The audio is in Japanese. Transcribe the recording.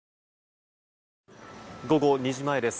午後２時前です。